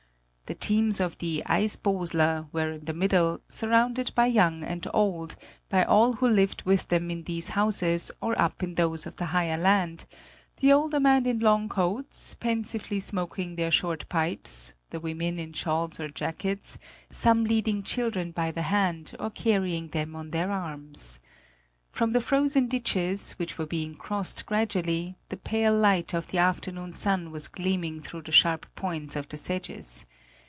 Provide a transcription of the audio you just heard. The teams of the "Eisbosler" were in the middle, surrounded by old and young, by all who lived with them in these houses or up in those of the higher land the older men in long coats, pensively smoking their short pipes, the women in shawls or jackets, some leading children by the hand or carrying them on their arms. From the frozen ditches, which were being crossed gradually, the pale light of the afternoon sun was gleaming through the sharp points of the sedges.